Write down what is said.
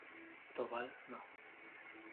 Tobal No.